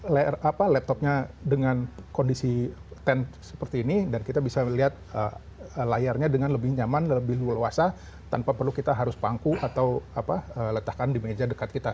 laptopnya dengan kondisi sepuluh seperti ini dan kita bisa melihat layarnya dengan lebih nyaman lebih luas tanpa perlu kita harus pangku atau letakkan di meja dekat kita